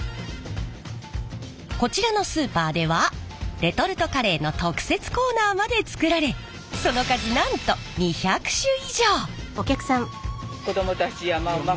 こちらのスーパーではレトルトカレーの特設コーナーまで作られその数なんと２００種以上！